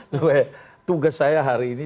tuh eh tugas saya hari ini